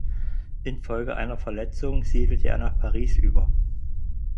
Infolge einer Verletzung siedelte er nach Paris über.